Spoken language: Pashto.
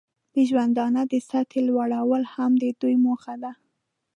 د ژوندانه د سطحې لوړول هم د دوی موخه ده.